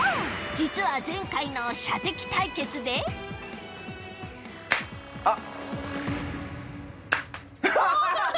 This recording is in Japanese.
実は前回の射的対決であっ！